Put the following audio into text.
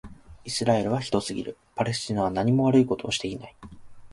イスラエルはひどすぎる。パレスチナはなにも悪いことをしていない。